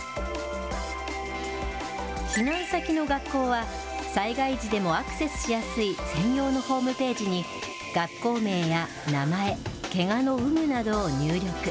避難先の学校は、災害時でもアクセスしやすい専用のホームページに、学校名や名前、けがの有無などを入力。